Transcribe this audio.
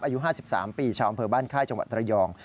อายุ๕๓ปีชาวอำเภอบ้านค่ายจังหวัดระยอง